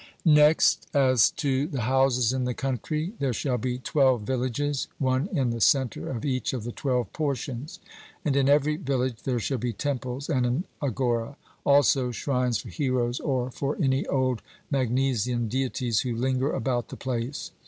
Next as to the houses in the country there shall be twelve villages, one in the centre of each of the twelve portions; and in every village there shall be temples and an agora also shrines for heroes or for any old Magnesian deities who linger about the place.